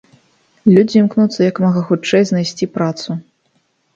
Людзі імкнуцца як мага хутчэй знайсці працу.